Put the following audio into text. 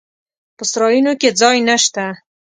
په سرایونو کې ځای نسته.